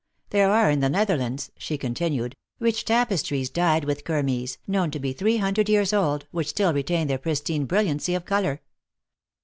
There are in the Neth erlands," she continued, "rich tapestries dyed with kermes, known to be three hundred years old, which still retain their pristine brilliancy of color.